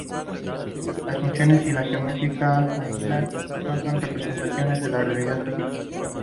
Las funciones y la geometría aisladas no más representaciones de la realidad física.